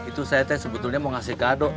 itu saya teh sebetulnya mau ngasih gadok